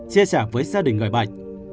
chia sẻ với gia đình người bệnh